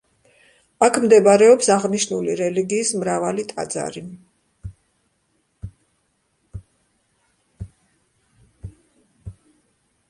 აქ მდებარეობს აღნიშნული რელიგიის მრავალი ტაძარი.